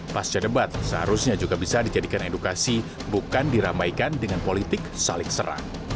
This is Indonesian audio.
pasca debat seharusnya juga bisa dijadikan edukasi bukan diramaikan dengan politik saling serang